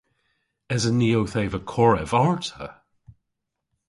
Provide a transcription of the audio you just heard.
Esen ni owth eva korev arta?